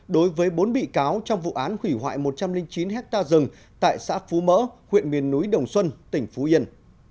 đối với bốn bị cáo trong vụ án hủy hoại một trăm linh chín hectare rừng tại xã phú mỡ huyện miền núi đồng xuân tỉnh phú yên